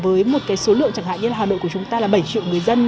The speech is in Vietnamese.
với một số lượng chẳng hạn như hà nội của chúng ta là bảy triệu người dân